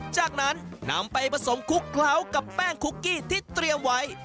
จากนั้นนำไปผสมคลุกเคล้ากับแป้งคุกกี้ที่เตรียมไว้